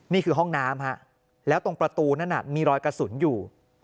นี่คือห้องน้ำแล้วตรงประตูนั้นมีรอยกระสุนอยู่